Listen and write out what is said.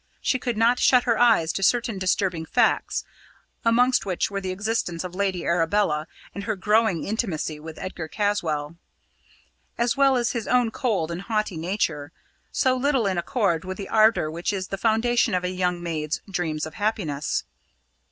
She could not shut her eyes to certain disturbing facts, amongst which were the existence of Lady Arabella and her growing intimacy with Edgar Caswall; as well as his own cold and haughty nature, so little in accord with the ardour which is the foundation of a young maid's dreams of happiness.